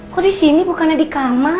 kok di sini bukannya di kamar